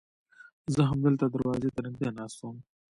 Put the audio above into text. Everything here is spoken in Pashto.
زه همدلته دروازې ته نږدې ناست وم.